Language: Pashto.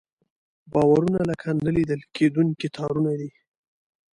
باورونه لکه نه لیدل کېدونکي تارونه دي.